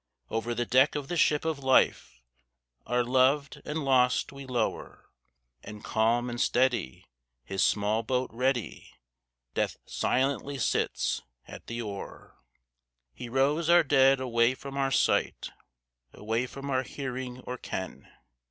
Over the deck of the ship of Life Our loved and lost we lower. And calm and steady, his small boat ready, Death silently sits at the oar. He rows our dead away from our sight Away from our hearing or ken.